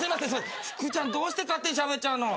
ふくちゃんどうして勝手にしゃべっちゃうの？